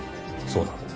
そうだ。